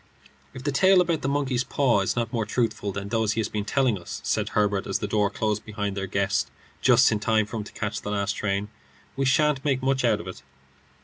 "If the tale about the monkey's paw is not more truthful than those he has been telling us," said Herbert, as the door closed behind their guest, just in time for him to catch the last train, "we sha'nt make much out of it."